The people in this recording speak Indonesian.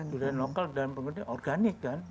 duranenya lokal dan bergantian organik kan